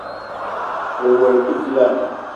Lewela le pe dilaah?